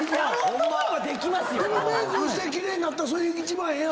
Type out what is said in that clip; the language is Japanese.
でもメイクして奇麗になったらそれ一番ええやん。